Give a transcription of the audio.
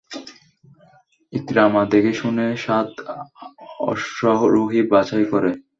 ইকরামা দেখে শুনে সাত অশ্বারোহী বাছাই করে।